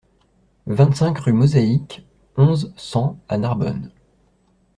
vingt-cinq rue Mosaïque, onze, cent à Narbonne